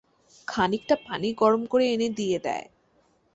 খানিকটা পানি গরম করে এনে দিয়ে দেয়।